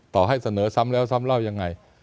ต่อให้เสนอซ้ำแล้วซ้ำเล่ายังไง